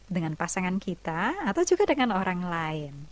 dengan pasangan kita atau juga dengan orang lain